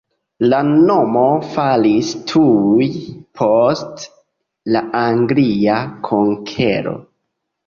La nomo falis tuj post la anglia konkero.